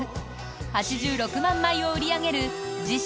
８６万枚を売り上げる自身